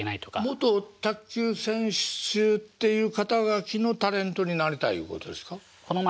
元卓球選手っていう肩書のタレントになりたいいうことですか？